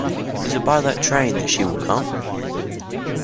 Is it by that train that she will come?